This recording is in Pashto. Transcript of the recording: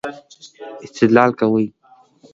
نوموړی استدلال کوي چې د لویو وچو ترمنځ نابرابري شته.